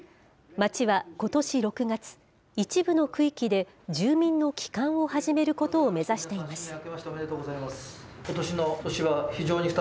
町はことし６月、一部の区域で住民の帰還を始めることを目指しています。